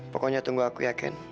pokoknya tunggu aku ya ken